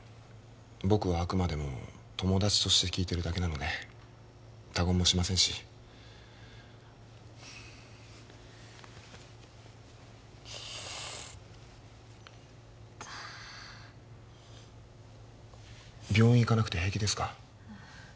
僕はあくまでも友達として聞いてるだけなので他言もしませんしつーいった病院行かなくて平気ですか？